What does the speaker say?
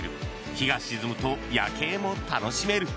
日が沈むと夜景も楽しめる。